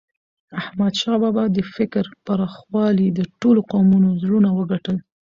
احمدشاه بابا د فکر پراخوالي د ټولو قومونو زړونه وګټل.